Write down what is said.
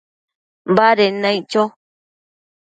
baded naic cho